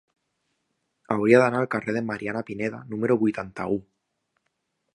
Hauria d'anar al carrer de Mariana Pineda número vuitanta-u.